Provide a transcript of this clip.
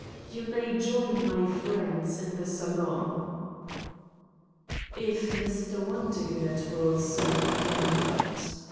You may join my friends in the salon." "If Mr. Wondergood will so command.